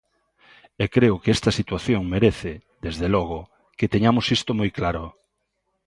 E creo que esta situación merece, desde logo, que teñamos isto moi claro.